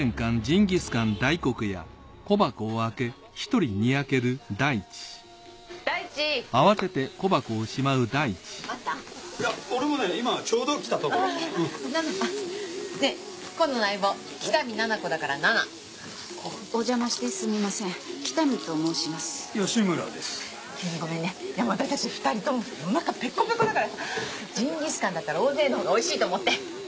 ジンギスカンだったら大勢のほうがおいしいと思って。